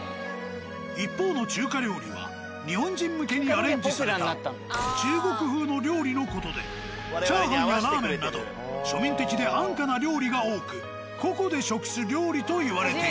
一方の中華料理は日本人向けにアレンジされた中国風の料理の事でチャーハンやラーメンなど庶民的で安価な料理が多く個々で食す料理といわれている。